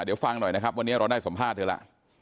เดี๋ยวฟังหน่อยนะครับวันนี้เราได้สัมภาษณ์เธอล่ะ